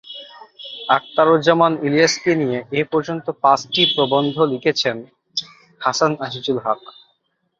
আখতারুজ্জামান ইলিয়াসকে নিয়ে এ পর্যন্ত পাঁচটি প্রবন্ধ লিখেছেন হাসান আজিজুল হক।